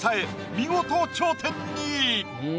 見事頂点に！